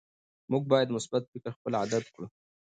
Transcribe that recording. موږ باید مثبت فکر خپل عادت کړو